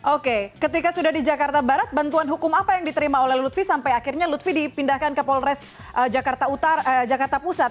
oke ketika sudah di jakarta barat bantuan hukum apa yang diterima oleh lutfi sampai akhirnya lutfi dipindahkan ke polres jakarta pusat